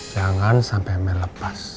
jangan sampai mel lepas